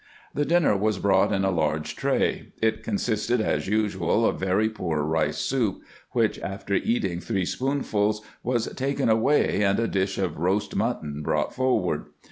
The dinner was brought in a large tray. It consisted, as usual, of very poor rice soup, which, after eating three spoonsful, was taken away, and a dish of roast mutton brought forward.